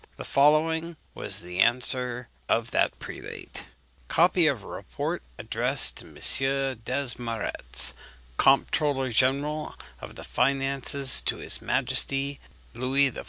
The following was the answer of that prelate: "Copy of a report addressed to M. Desmarets, Comptroller General of the Finances to His Majesty Louis XIV.